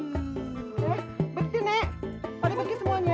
nek berarti nek pada pergi semuanya